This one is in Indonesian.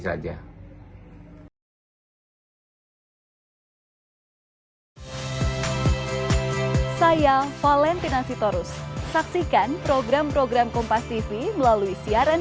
saja saya valentina sitorus saksikan program program kompas tv melalui siaran